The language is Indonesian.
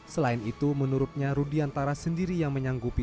selain itu menurutnya rudiantara sendiri yang menyanggupi